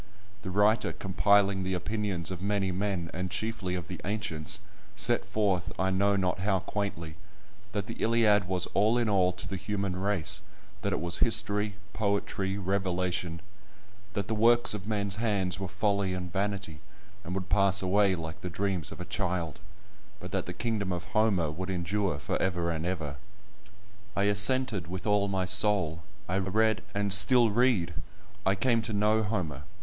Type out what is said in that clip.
The writer compiling the opinions of many men, and chiefly of the ancients, set forth, I know not how quaintly, that the Iliad was all in all to the human race—that it was history, poetry, revelation; that the works of men's hands were folly and vanity, and would pass away like the dreams of a child, but that the kingdom of Homer would endure for ever and ever. I assented with all my soul. I read, and still read; I came to know Homer.